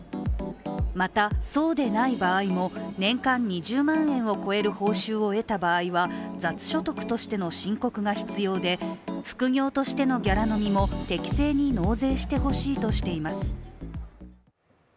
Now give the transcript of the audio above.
また、そうでない場合も年間２０万円を超える報酬を得た場合は雑所得としての申告が必要で副業としてのギャラ飲みも適正に納税してほしいとしています。